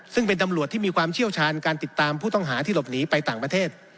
ซึ่งเป็นตำรวจที่มีความเชี่ยวชาญการติดตามผู้ต้องหาที่หลบหนีไปต่างประเทศ